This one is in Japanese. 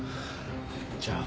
じゃあ。